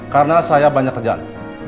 karena saya banyak kerjaan